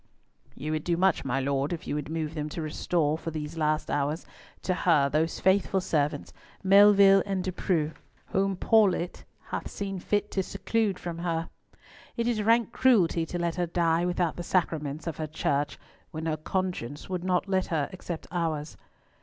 "You would do much, my Lord, if you would move them to restore—for these last hours—to her those faithful servants, Melville and De Preaux, whom Paulett hath seen fit to seclude from her. It is rank cruelty to let her die without the sacraments of her Church when her conscience will not let her accept ours."